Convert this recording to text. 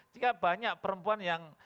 jadi banyak perempuan yang